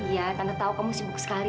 ya tante tahu kamu sibuk sekali